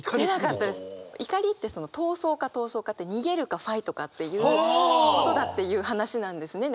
怒りって「逃走」か「闘争」かって「逃げる」か「ファイト」かっていうことだっていう話なんですね。